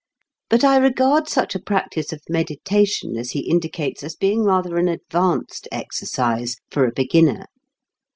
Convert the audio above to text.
But I regard such a practice of meditation as he indicates as being rather an "advanced" exercise for a beginner.